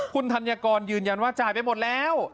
คุณธัญกรยืนยันว่าจ่ายไปหมดแล้ว